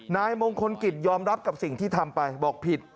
นายมงคลกิจยอมรับกับสิ่งที่ทำไปบอกผิด